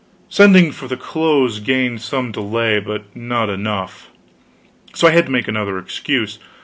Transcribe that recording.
Sending for the clothes gained some delay, but not enough. So I had to make another excuse.